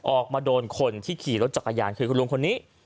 ออกมาโดนคนที่ขี่รถจักรยานคือคุณลุงคนนี้